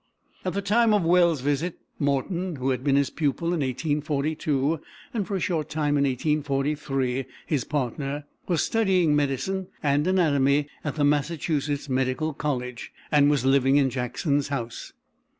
At the time of Wells's visit, Morton, who had been his pupil in 1842, and for a short time in 1843 his partner, was studying medicine and anatomy at the Massachusetts Medical College, and was living in Jackson's house.